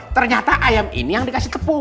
ternyata ayam ini yang dikasih tepung